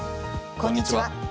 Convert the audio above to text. こんにちは。